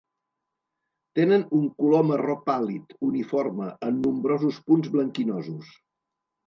Tenen un color marró pàl·lid uniforme amb nombrosos punts blanquinosos.